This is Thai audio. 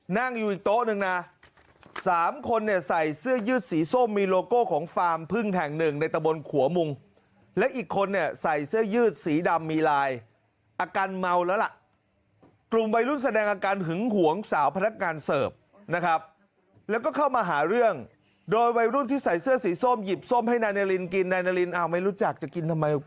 นั่งอยู่อีกโต๊ะหนึ่งนะสามคนเนี่ยใส่เสื้อยืดสีส้มมีโลโก้ของฟาร์มพึ่งแห่งหนึ่งในตะบนขัวมุงและอีกคนเนี่ยใส่เสื้อยืดสีดำมีลายอาการเมาแล้วล่ะกลุ่มวัยรุ่นแสดงอาการหึงหวงสาวพนักงานเสิร์ฟนะครับแล้วก็เข้ามาหาเรื่องโดยวัยรุ่นที่ใส่เสื้อสีส้มหยิบส้มให้นายนารินกินนายนารินอ้าวไม่รู้จักจะกินทำไม